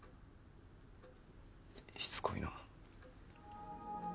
しつこいな。